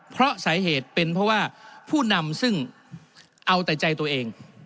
เพราะสาเหตุเป็นเพราะว่าผู้นำซึ่งเอาแต่ใจตัวเอง